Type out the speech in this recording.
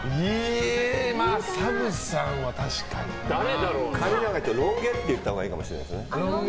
ＳＡＭさんは確かにな。髪が長いというよりロン毛って言ったほうがいいかもしれませんね。